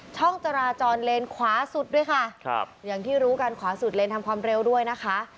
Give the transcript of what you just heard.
ช่องจราจรเลนขวาสุดด้วยค่ะครับอย่างที่รู้กันขวาสุดเลนทำความเร็วด้วยนะคะ